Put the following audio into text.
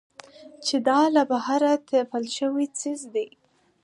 چې دا له بهره تپل شوى څيز دى.